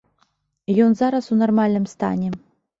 Ён зараз у нармальным стане.